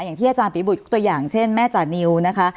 อย่างที่อาจารย์ปีบุตรทุกตัวอย่างเช่นแม่จานิวนะคะ